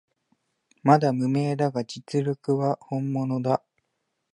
まだ無名だが実力は本物だ